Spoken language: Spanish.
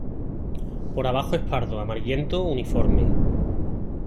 Por abajo es pardo amarillento uniforme.